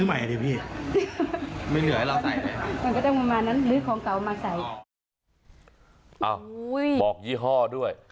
อ้าวบอกยี่ห้อด้วย